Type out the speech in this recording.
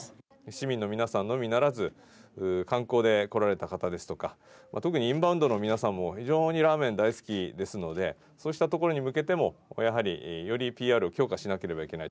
市民の皆さんのみならず観光で来られた方ですとか特にインバウンドの皆さんも非常にラーメン大好きですのでそうしたところに向けてもやはり、よりＰＲを強化しなければいけない。